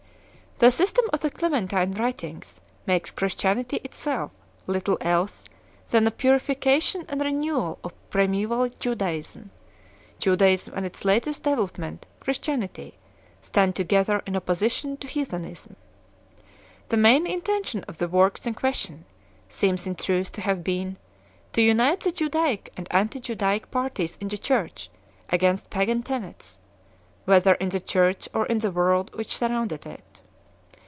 The system of the Clementine writings makes Chris tianity itself little else than a purification and renewal of primaeval Judaism; Judaism and its latest development, Christianity, stand together in opposition to Heathenism. The main intention of the works in question seems in truth to have been, to unite the Judaic and anti Judaic parties in the Church against pagan tenets, whether in the Church or in the world which surrounded it.